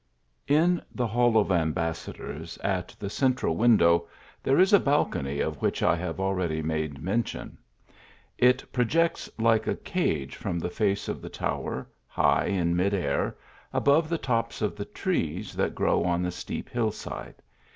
IN the Hall of Ambassadors, at the central win 1 dow, there is a balcony of which I have already made mention. It projects like a. cage from the face of the tower, *Tiigh in mid air, above the tops of the trees that grow on the steep hill side.